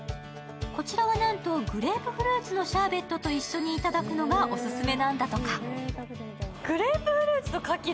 こちらはなんとグレープフルーツのシャーベットと一緒にいただくのがオススメなんだとか。